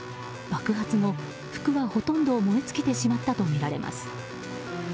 爆発後、服はほとんど燃え尽きてしまったとみられます。